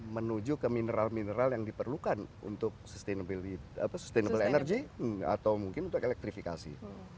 menuju ke mineral mineral yang diperlukan untuk sustainable energy atau mungkin untuk elektrifikasi